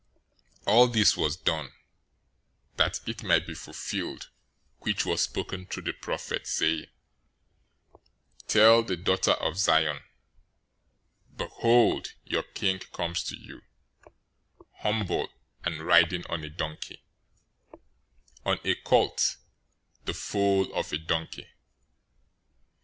021:004 All this was done, that it might be fulfilled which was spoken through the prophet, saying, 021:005 "Tell the daughter of Zion, behold, your King comes to you, humble, and riding on a donkey, on a colt, the foal of a donkey."